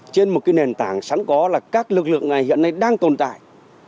trên một cái nền tảng sẵn có là các lực lượng này hiện nay đang tồn tại